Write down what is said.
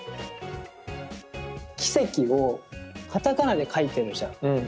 「キセキ」をカタカナで書いてるじゃん。